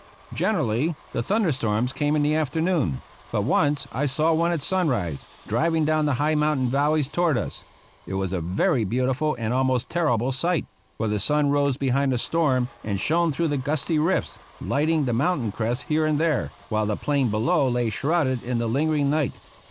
Generally the thunder storms came in the afternoon, but once I saw one at sunrise, driving down the high mountain valleys toward us. It was a very beautiful and almost terrible sight; for the sun rose behind the storm, and shone through the gusty rifts, lighting the mountain crests here and there, while the plain below lay shrouded in the lingering night.